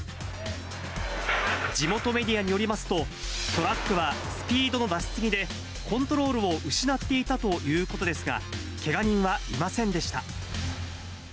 地元メディアによりますと、トラックはスピードの出し過ぎでコントロールを失っていたということですが、けが人はいませんでした。